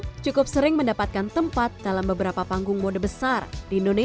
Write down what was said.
mereka cukup sering mendapatkan tempat dalam beberapa panggung mode besar di indonesia